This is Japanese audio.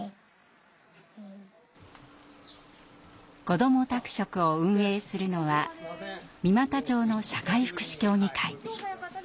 「こども宅食」を運営するのは三股町の社会福祉協議会。